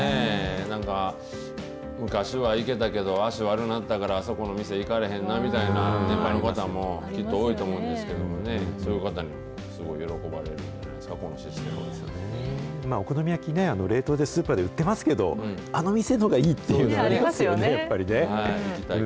なんか、昔は行けたけど、足悪なったから、あそこの店行かれへんなみたいなご年配の方もきっと多いと思うんですけどね、そういう方にも、お好み焼きね、スーパーで冷凍で売ってますけど、あの店のがいいというのがありますよね、やっぱりね。